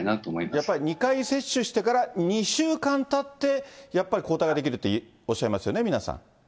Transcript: やっぱり２回接種してから２週間たって、やっぱり抗体が出来るっておっしゃいますよね、皆さん。